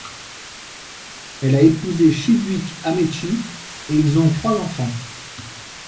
Elle a épousé Chibuike Amaechi et ils ont trois enfants.